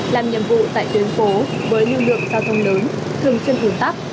làm nhiệm vụ tại tuyến phố với lưu lượng giao thông lớn thường trên hướng tắp